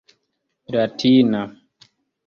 latina